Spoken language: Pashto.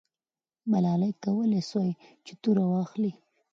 ملالۍ کولای سوای چې توره واخلي.